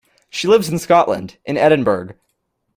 She lives in Scotland, in Edinburgh